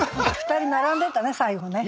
２人並んでたね最後ね。